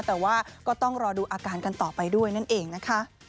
แต่ว่าก็ต้องรอดูอาการกันต่อไปด้วยนั่นเองนะคะ